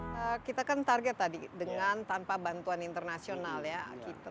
yang sebelumnya terus mau bergerak dan langsung mulai gemeah karena konflik yang luas